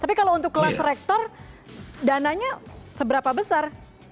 tapi kalau untuk kelas rektor dananya seberapa besar